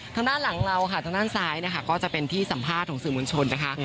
ทางด้านหลังเราค่ะทางด้านซ้ายนะคะก็จะเป็นที่สัมภาษณ์ของสื่อมวลชนนะคะ